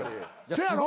せやろ？